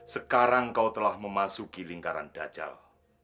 sekarang kau telah memasuki lingkaran dajal